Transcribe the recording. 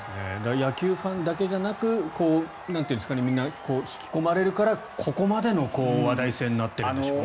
野球ファンだけじゃなくみんな引き込まれるからここまでの話題性になっているんでしょうね。